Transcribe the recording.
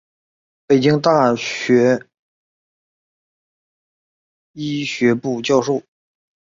北京大学医学部教授。